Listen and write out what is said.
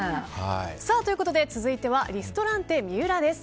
ということで続いてはリストランテＭＩＵＲＡです。